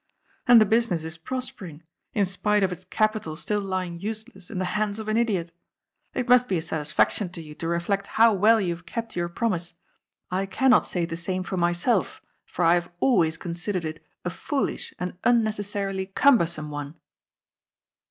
And the business is prospering, in spite of its* capital still lying useless in the hands of an idiot It must be a satis faction to you to reflect how well you have kept your prom ise. I cannot say the same for myself, for I have always considered it a foolish and unnecessarily cumbersome one."